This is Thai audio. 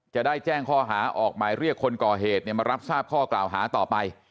จะได้แจ้งข้อหาออกหมายเรียกคนก่อเหตุมารับทราบข้อกล่าวหาต่อไป